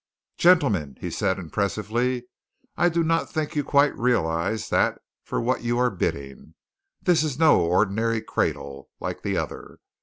"Gentlemen," said he impressively, "I do not think you quite realize that for what you are bidding. This is no ordinary cradle, like the other.